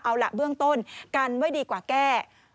เอาล่ะเบื้องต้นกันไว้ดีกว่าแก้